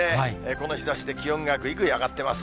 この日ざしで気温がぐいぐい上がってます。